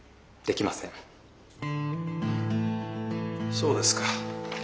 そうですか。